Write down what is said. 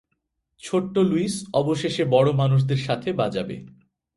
ছোট লুইস অবশেষে বড় মানুষদের সাথে বাজাবে!